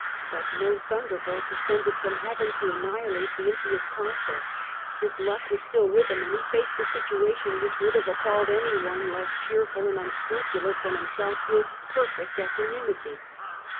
But no thunderbolt descended from heaven to annihilate the impious consul. His lucb was still with him, and he faced the situation, which would have appalled any one less cheerful and unscrupu lous than himself, with perfect equanimity.